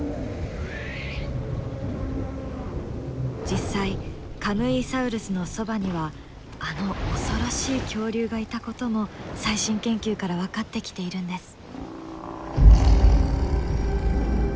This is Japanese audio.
実際カムイサウルスのそばにはあの恐ろしい恐竜がいたことも最新研究から分かってきているんです。